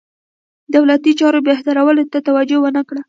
دولتي چارو بهترولو ته توجه ونه کړه.